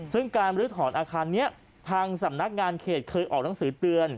ซึ่งการบรื้อถอนอาคารนี้ทางสำนักงานเขตเคยออกหนังสือเตือน